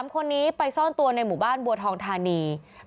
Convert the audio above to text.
๓คนนี้ไปซ่อนตัวในหมู่บ้านบัวทองธานี